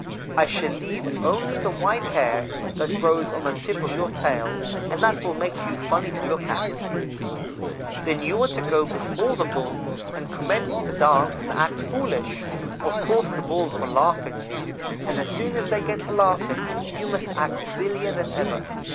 I shall leave only the white hair that grows on the tip of your tail, and that will make you funny to look at. Then you are to go before the Bulls and commence to dance and act foolish. Of course the Bulls will laugh at you, and as soon as they get to laughing you must act sillier than ever.